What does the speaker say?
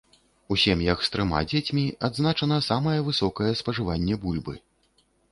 У сем'ях з трыма дзецьмі адзначана самае высокае спажыванне бульбы.